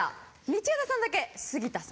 道枝さんだけ杉田さん。